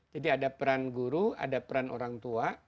jadi ada peran guru ada peran orang tua